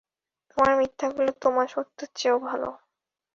তোমার মিথ্যাগুলো, তোমার সত্যের চেয়েও ভাল।